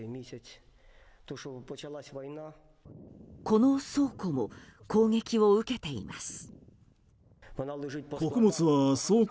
この倉庫も攻撃を受けています。